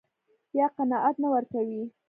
يا قناعت نه ورکوي.